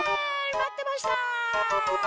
まってました！